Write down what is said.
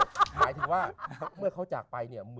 หมายถึงว่าเมื่อเขาจากไป